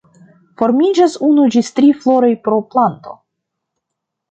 Formiĝas unu ĝis tri floroj pro planto.